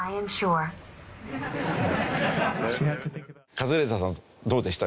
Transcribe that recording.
カズレーザーさんどうでした？